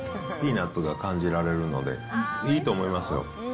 ピーナッツが感じられるので、いいと思いますよ。